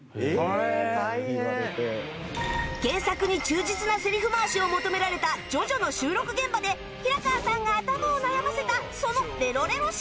原作に忠実なセリフ回しを求められた『ジョジョ』の収録現場で平川さんが頭を悩ませたそのレロレロシーンがこちら